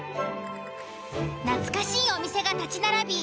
懐かしいお店が立ち並び